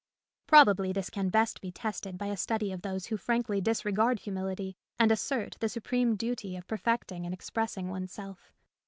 Probably this can best be tested by a study of those who frankly disregard humility and assert the supreme duty of perfecting and expressing one's self.